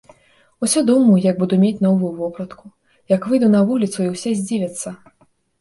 Усё думаю, як буду мець новую вопратку, як выйду на вуліцу і ўсе здзівяцца.